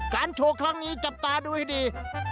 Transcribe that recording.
ฉันโชว์ครั้งนี้จับตาดูดี